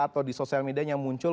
atau di sosial media yang muncul